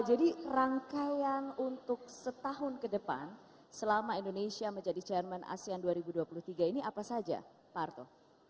rangkaian untuk setahun ke depan selama indonesia menjadi chairman asean dua ribu dua puluh tiga ini apa saja pak arto